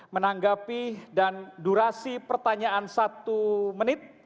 menanggapi dan durasi pertanyaan satu menit